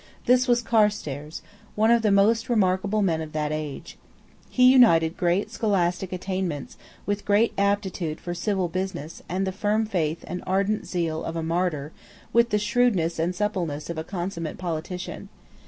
This was Carstairs, one of the most remarkable men of that age. He united great scholastic attainments with great aptitude for civil business, and the firm faith and ardent zeal of a martyr with the shrewdness and suppleness of a consummate politician.